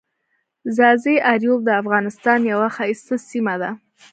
ځاځي اریوب دافغانستان یوه ښایسته سیمه ده.